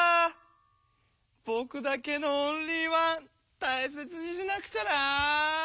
ぼくだけのオンリーワンたいせつにしなくちゃな。